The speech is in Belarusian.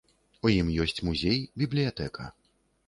У ім ёсць музей, бібліятэка.